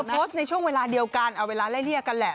โพสต์ในช่วงเวลาเดียวกันเอาเวลาไล่เลี่ยกันแหละ